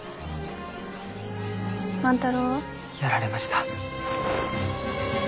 万太郎は？やられました。